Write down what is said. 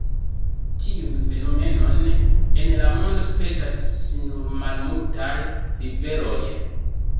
Tiun fenomenon en la mondo spertas nur malmultaj riveroj.